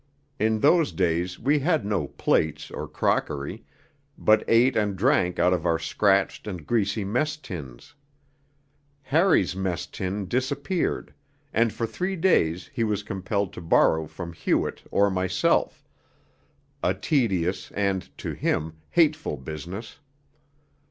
In those days we had no plates or crockery, but ate and drank out of our scratched and greasy mess tins. Harry's mess tin disappeared, and for three days he was compelled to borrow from Hewett or myself a tedious and, to him, hateful business.